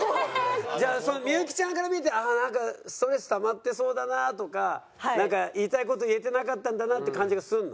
じゃあ幸ちゃんから見てああなんかストレスたまってそうだなとか言いたい事言えてなかったんだなって感じがするの？